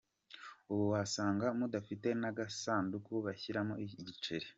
Ubu wasanga mudafite n’agasanduku bashyiramo igiceri.